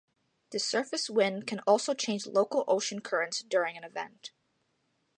The surface wind can also change local ocean currents during an event.